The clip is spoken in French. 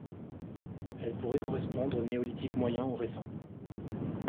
Elle pourrait correspondre au Néolithique moyen ou récent.